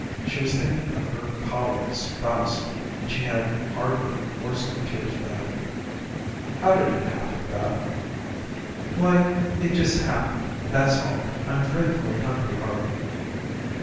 She was thinking of her choleric spouse, and she had hard work forcing the tears back. "How did it happen, Beth?" "Why it just happened. That's all. I'm dreadfully hungry, Harvey."